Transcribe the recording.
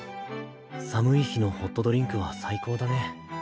寒い日のホットドリンクは最高だね。